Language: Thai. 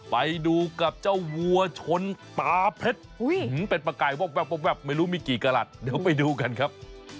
ไปดูกับเจ้าวัวชนตาเพชรเป็ดปลาไก่วับไม่รู้มีกี่กระหลัดเดี๋ยวไปดูกันครับ